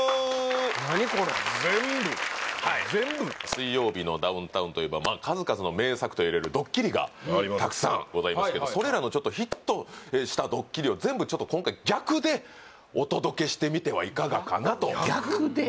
「水曜日のダウンタウン」といえば数々のがたくさんございますけどそれらのちょっとヒットしたドッキリを全部ちょっと今回逆でお届けしてみてはいかがかなと逆で？